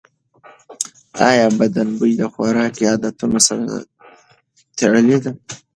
ایا بدن بوی د خوراکي عادتونو سره تړلی دی؟